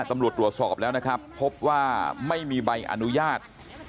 ตำรวจตรวจสอบแล้วนะครับพบว่าไม่มีใบอนุญาต